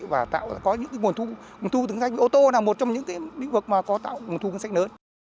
và tạo ra có những nguồn thu nguồn thu tương cách ô tô là một trong những bức vực mà có tạo nguồn thu cơ sách lớn